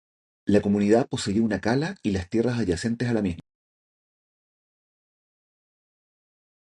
La comunidad poseía una cala y las tierras adyacentes a la misma.